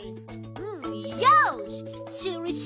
うんよし！